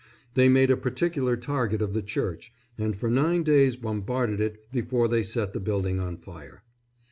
They made a particular target of the church, and for nine days bombarded it before they set the building on fire.